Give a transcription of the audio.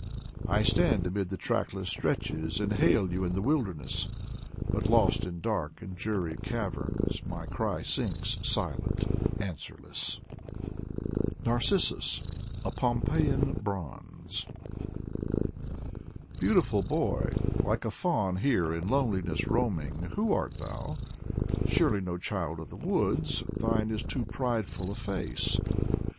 I stand amid the trackless stretches And hail you in the wilderness; But lost in dark and dreary caverns My cry sinks silent, answerless. I04 Vyacheslav Ivanov NARCISSUS : A POMPEIIAN BRONZE Beautiful boy, like a faun here in loneliness roaming, who art thou? Surely no child of the woods : thine is too pridef ul a face.